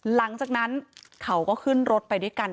หลังจากนั้นเขาก็ขึ้นรถไปด้วยกัน